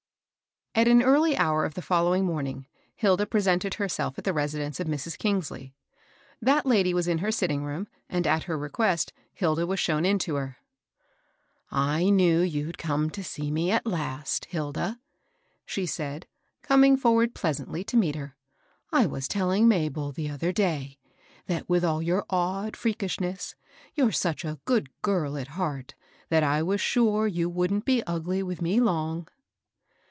T an early hour of the following morning, Hilda presented herself at the residence of Mrs. Kingsley. That lady was in her sitting room, and, at her request, Hilda was shown in to her. ^^ I knew you'd come to see me at last, Hilda," she said, coming forward pleasantly to meet her. " I was telling Mabel, the other day, that, with all your odd freakishness, you're such a good girl at heart, that I was sure you wouldn't be ugly with me long."